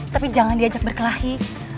tapi jangan diajak berkelahi